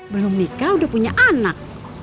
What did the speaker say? belum nikah udah punya anak